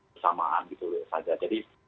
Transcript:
bersamaan gitu saja jadi